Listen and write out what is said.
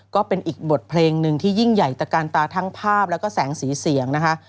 ก็เป็นอีกบทเพลงหนึ่งที่ยิ่งใหญ่ตะการตาทั้งภาพแล้วก็แสงสีเสียงนะคะ